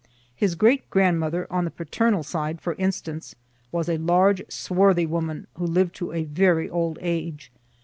His great grandmother on the paternal side, for instance, was a large swarthy woman, who lived to a very old age.